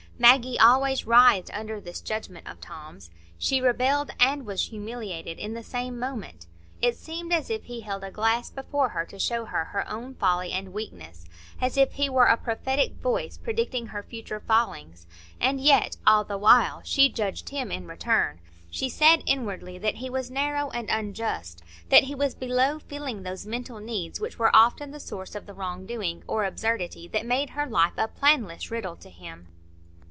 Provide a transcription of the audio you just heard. Maggie always writhed under this judgment of Tom's; she rebelled and was humiliated in the same moment; it seemed as if he held a glass before her to show her her own folly and weakness, as if he were a prophetic voice predicting her future fallings; and yet, all the while, she judged him in return; she said inwardly that he was narrow and unjust, that he was below feeling those mental needs which were often the source of the wrong doing or absurdity that made her life a planless riddle to him.